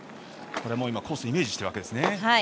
もうコースをイメージしているわけですね。